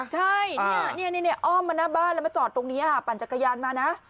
ใช่นี่อ้อมมาหน้าบ้านแล้วมาจอดตรงนี้ปั่นจักรยานมานะ